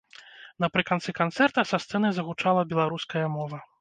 Напрыканцы канцэрта са сцэны загучала беларуская мова!